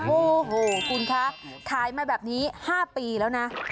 โอ้โหคุณคะขายมาแบบนี้๕ปีแล้วนะ